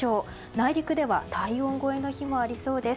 内陸では体温超えの日もありそうです。